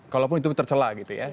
kalaupun itu tercelah gitu ya